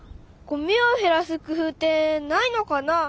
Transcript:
ごみをへらす工夫ってないのかな？